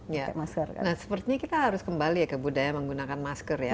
ya masker nah sepertinya kita harus kembali ya ke budaya menggunakan masker ya